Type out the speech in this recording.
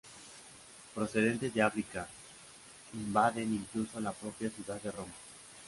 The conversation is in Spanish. Procedentes de África, invaden incluso la propia ciudad de Roma.